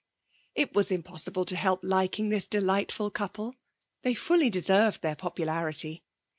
It was impossible to help liking this delightful couple; they fully deserved their popularity.